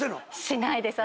しないです。